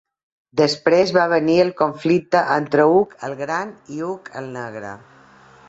Després va venir el conflicte entre Hug el Gran i Hug el Negre.